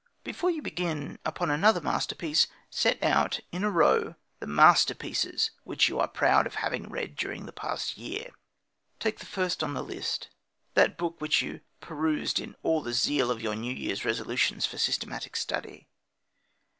Before you begin upon another masterpiece, set out in a row the masterpieces which you are proud of having read during the past year. Take the first on the list, that book which you perused in all the zeal of your New Year resolutions for systematic study.